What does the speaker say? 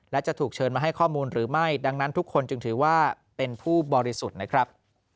และจะถูกเชิญมาให้ข้อมูลหรือไม่ดังนั้นทุกคนจึงถือว่าเป็นผู้บริสุทธิ์นะครับ